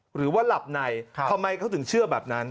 หรือว่าหลับในทำไมเขาถึงเชื่อแบบนั้น